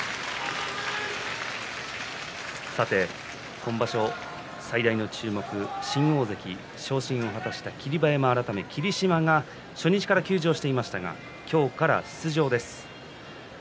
さて今場所、最大の注目新大関昇進を果たした霧馬山改め霧島が初日から休場していましたが今日から出場です。